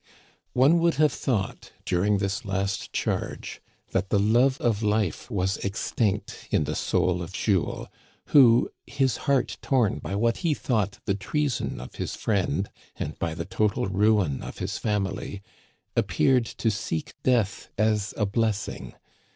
One would have thought, during this last charge, that the love of life was extinct in the soul of Jules, who, his heart torn by what he thought the treason of his friend, and by the total ruin of his family, ap peared to seek death as a blessing.